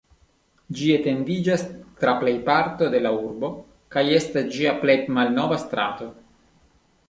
Ĝi etendiĝas tra plejparto de la urbo kaj estas ĝia plej malnova strato.